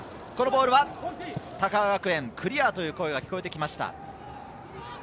このボールは高川学園、クリアという声が聞こえてきました。